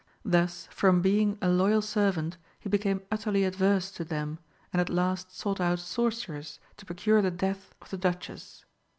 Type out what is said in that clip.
Thus, from being a loyal servant, he became utterly adverse to them, and at last sought out sorcerers to procure the death of the Duchess.